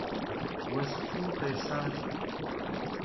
Vues kuu khesaş.